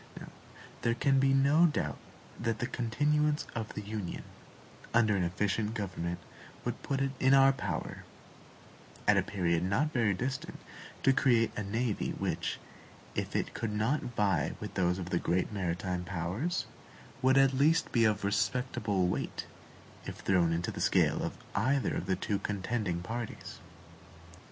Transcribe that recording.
There can be no doubt that the continuance of the Union under an efficient government would put it in our power, at a period not very distant, to create a navy which, if it could not vie with those of the great maritime powers, would at least be of respectable weight if thrown into the scale of either of two contending parties.